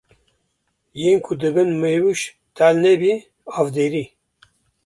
Yên ku dibin mewûj talnebî, avdêrî